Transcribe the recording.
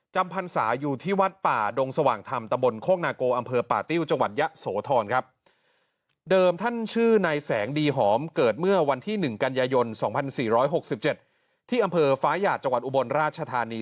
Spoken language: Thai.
พรรษาอยู่ที่วัดป่าดงสว่างธรรมตะบนโคกนาโกอำเภอป่าติ้วจังหวัดยะโสธรครับเดิมท่านชื่อนายแสงดีหอมเกิดเมื่อวันที่๑กันยายน๒๔๖๗ที่อำเภอฟ้าหยาดจังหวัดอุบลราชธานี